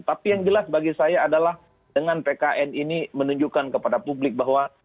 tapi yang jelas bagi saya adalah dengan pkn ini menunjukkan kepada publik bahwa